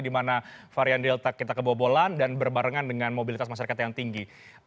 di mana varian delta kita kebobolan dan berbarengan dengan mobilitas masyarakat yang tinggi